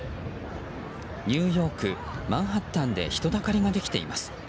ニューヨーク、マンハッタンで人だかりができています。